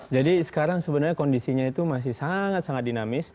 jadi sekarang sebenarnya kondisinya itu masih sangat sangat dinamis